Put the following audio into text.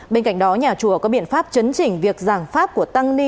bên cạnh đó nhà chùa có biện pháp chấn chỉnh việc giảm pháp của tăng ni